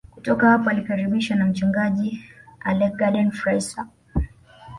Kutoka hapo alikaribishwa na mchungaji Alec Garden Fraser